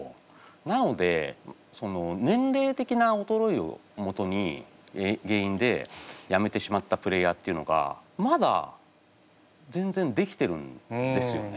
なので年齢的なおとろえをもとに原因でやめてしまったプレーヤーっていうのがまだ全然できてるんですよね。